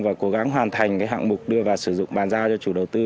và cố gắng hoàn thành hạng mục đưa vào sử dụng bàn giao cho chủ đầu tư